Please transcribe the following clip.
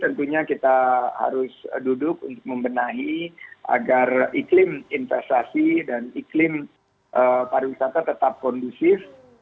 tentunya kita harus duduk untuk membenahi agar iklim investasi dan iklim pariwisata tetap kondusif